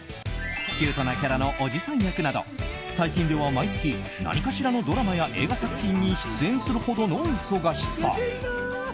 キュートなキャラのおじさん役など最近では毎月何かしらのドラマや映画作品に出演するほどの忙しさ。